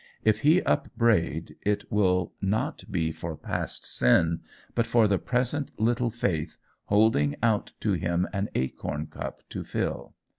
If he upbraid, it will not be for past sin, but for the present little faith, holding out to him an acorn cup to fill.